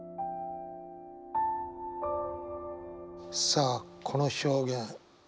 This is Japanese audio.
さあこの表現。